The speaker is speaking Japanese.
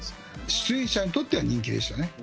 出演者にとっては人気でしたね。